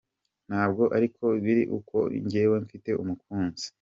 Ntabwo ariko biri kuko njyewe mfte umukunzi .